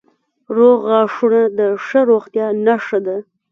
روغ غاښونه د ښه روغتیا نښه ده.